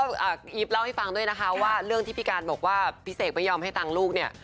อีฟเล่าให้ฟังด้วยนะคะว่าเรื่องที่พี่การบอกว่าพี่เสกไม่ยอมให้ตังค์ลูกเนี่ย